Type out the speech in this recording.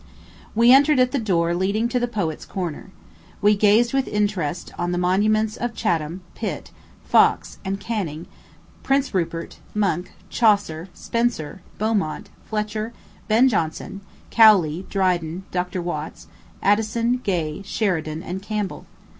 We entered at the door leading to the Poet's Corner. We gazed with interest on the monuments of Chatham, Pitt, Fox, and Canning, Prince Rupert, Monk, Chaucer, Spenser, Beaumont, Fletcher, Ben Jonson, Cowley, Dryden, Dr. Watts, Addison, Gay, Sheridan, and Campbell.